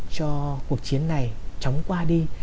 cho cuộc chiến này chóng qua đi